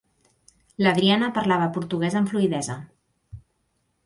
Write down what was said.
L'Adriana parlava portuguès amb fluïdesa.